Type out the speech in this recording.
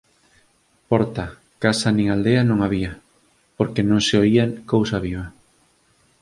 Porta, casa nin aldea non había, porque non se oía cousa viva